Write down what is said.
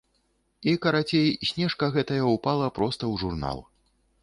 І, карацей, снежка гэтая ўпала проста ў журнал.